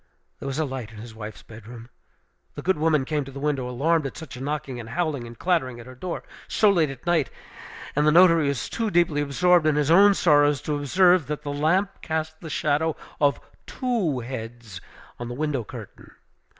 There was a light in his wife's bedroom. The good woman came to the window, alarmed at such a knocking, and howling, and clattering at her door so late at night; and the notary was too deeply absorbed in his own sorrows to observe that the lamp cast the shadow of two heads on the window curtain.